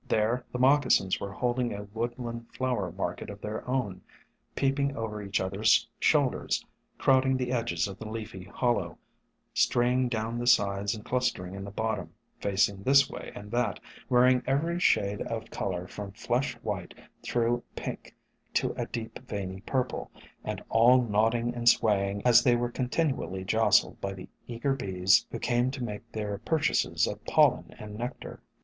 There the Moccasins were hold ing a woodland flower market of their own, peep ing over each other's shoulders, crowding the edges of the leafy hollow, straying down the sides and clustering in the bottom, facing this way and that, wearing every shade of color from flesh white through pink to a deep, veiny purple, and all nod ding and swaying as they were continually jostled by the eager bees who came to make their pur chases of pollen and nectar.